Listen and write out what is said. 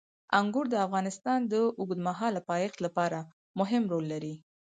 انګور د افغانستان د اوږدمهاله پایښت لپاره مهم رول لري.